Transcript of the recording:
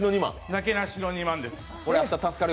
なけなしの２万円です。